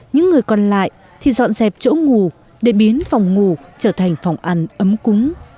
những người còn lại thì dọn dẹp chỗ ngủ để biến phòng ngủ trở thành phòng ăn ấm cúng